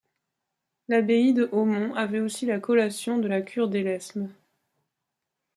L'abbaye de Hautmont avait aussi la collation de la cure d'Élesmes.